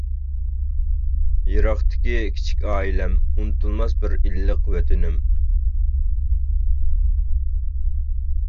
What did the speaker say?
يىراقتىكى كىچىك ئائىلەم، ئۇنتۇلماس بىر ئىللىق ۋەتىنىم.